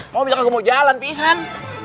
mau bilang aku mau jalan pisan